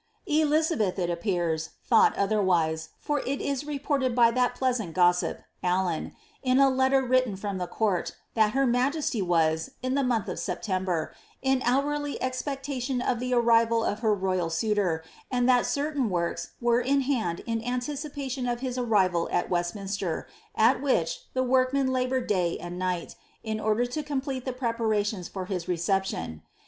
* Elizabeth, it appears, thought otlierwise, for it is recorded by that pleasant gossip, Allen, in a letter written from the court, that her dm jesty was, in the month of September, in hourly expectation of the anri ▼al of her royal suitor, and that certain works were in hand in anticipa tion of his arrifal at Westminster, at which the workmen laboured Jay and night, in order to complete the preparations for his reception.